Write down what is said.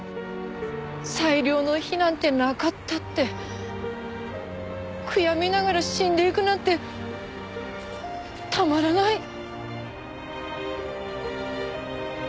最良の日なんてなかったって悔やみながら死んでいくなんてたまらない。